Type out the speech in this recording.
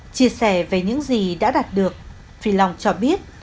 chia sẻ về những gì đã đạt được phi long cho biết